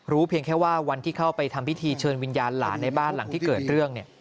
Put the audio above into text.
เพียงแค่ว่าวันที่เข้าไปทำพิธีเชิญวิญญาณหลานในบ้านหลังที่เกิดเรื่องเนี่ย